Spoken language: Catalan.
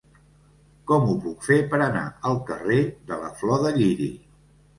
Com ho puc fer per anar al carrer de la Flor de Lliri?